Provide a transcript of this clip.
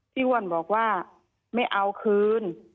อ้วนบอกว่าไม่เอาคืน